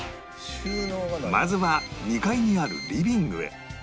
まずは２階にあるリビングへ